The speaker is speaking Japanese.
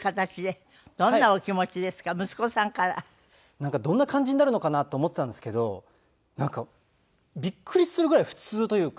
なんかどんな感じになるのかなと思ってたんですけどなんかびっくりするぐらい普通というか。